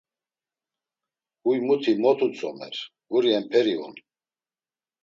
Huy muti mot utzomer, guri emperi on.